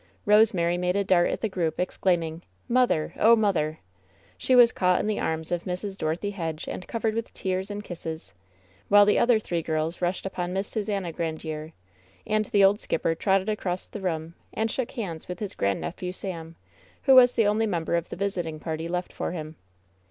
Rosemary made a dart at the group, exclaiming: "Mother'l Oh, mother !" She was caught in the arms of Mrs. Dorothy Hedge and covered with tears and kisses, while the three other girls rushed upon Miss Susannah Grandiere, and the old skipper trotted across the room and shook hands with his grandnephew Sam, who was the only member of the visiting party left for him.